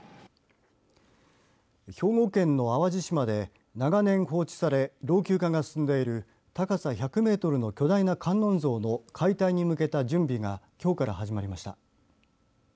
兵庫県の淡路島で長年放置され老朽化が進んでいる高さ１００メートルの巨大な観音像の解体に向けた準備がきょうから始まりました。